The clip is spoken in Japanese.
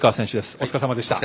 お疲れさまでした。